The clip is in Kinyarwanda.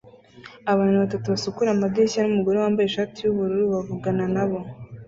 Abantu batatu basukura amadirishya numugore wambaye ishati yubururu bavugana nabo